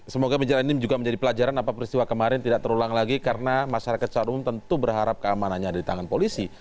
semoga menjalani ini juga menjadi pelajaran apa peristiwa kemarin tidak terulang lagi karena masyarakat secara umum tentu berharap keamanannya ada di tangan polisi